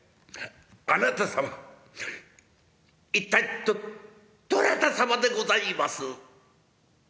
あなた様一体どなた様でございます？」。